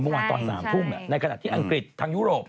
เมื่อวานตอน๓ทุ่มในขณะที่อังกฤษทางยุโรป